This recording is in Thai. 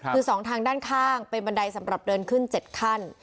คือ๒ทางด้านข้างเป็นบันไดสำหรับเดินขึ้น๗ขั้น